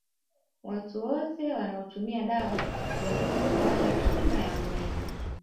Watu wote wanaotumia dawa za kufubaza kinga ya mwili